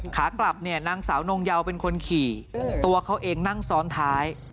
ขากลับเนี่ยนางสาวนงเยาเป็นคนขี่ตัวเขาเองนั่งซ้อนท้าย